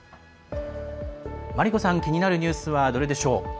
真理子さん、気になるニュースはどれでしょう？